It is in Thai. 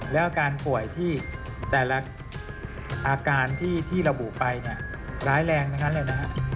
และอาการป่วยที่แต่ละอาการที่ระบุไปน่ะร้ายแรงนะครับ